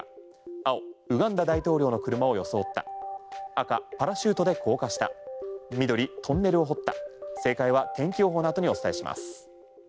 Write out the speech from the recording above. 青、ウガンダ大統領の車を装った赤、パラシュートで降下した緑、トンネルを掘った正解は天気予報のあとにお伝えします。